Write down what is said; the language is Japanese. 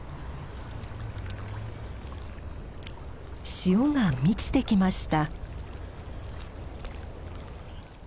潮が満ちてきました。